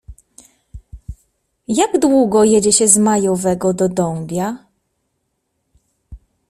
Jak długo jedzie się z Majowego do Dąbia?